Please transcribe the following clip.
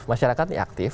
masyarakat ini aktif